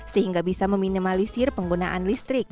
sehingga bisa meminimalisir penggunaan listrik